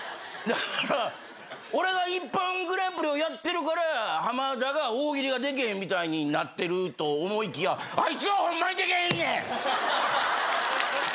だから俺が『ＩＰＰＯＮグランプリ』をやってるから浜田が大喜利ができへんみたいになってると思いきやあいつはホンマにできへんねん！